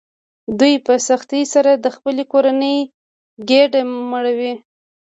دوی په سختۍ سره د خپلې کورنۍ ګېډه مړوي